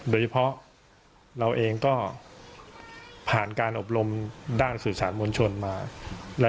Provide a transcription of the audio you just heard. โดยเฉพาะเราเองก็ผ่านการอบรมด้านสื่อสารมวลชนมา